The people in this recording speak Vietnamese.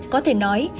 có thể nói